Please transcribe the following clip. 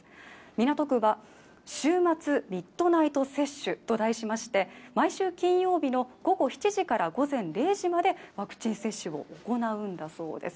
港区は週末ミッドナイト接種と題しまして毎週金曜の午後７時から午前０時までワクチン接種を行うんだそうです。